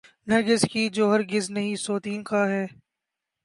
نرگس کی جو ہرگز نہیں سوتیعنقا ہے۔